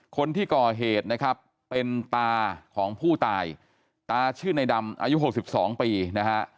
คนที่ก่อเหตุนะครับเป็นตาของผู้ตายตาชื่อในดำอายุ๖๒ปีนะฮะ